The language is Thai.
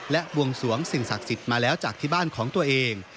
และบวงสวงสิ่งศักดิ์สิทธิ์มาแล้วจากที่บ้านของตัวเอง